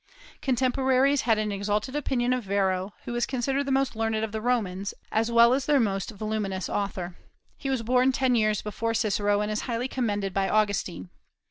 Contemporaries had an exalted opinion of Varro, who was considered the most learned of the Romans, as well as their most voluminous author. He was born ten years before Cicero, and is highly commended by Augustine.